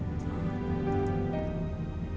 adalah agus rimba